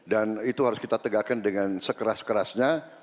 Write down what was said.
dan itu harus kita tegakkan dengan sekeras kerasnya